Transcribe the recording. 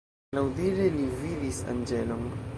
Laŭdire li vidis anĝelon.